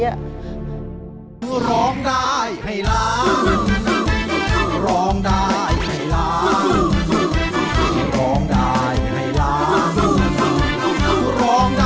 ลูกทุ่งสู้ชีวิต